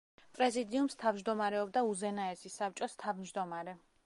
პრეზიდიუმს თავმჯდომარეობდა უზენაესი საბჭოს თავმჯდომარე.